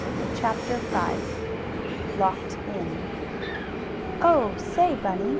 CHAPTER V LOCKED IN "On, say, Bunny!"